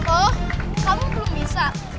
oh kamu belum bisa